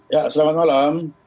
ya selamat malam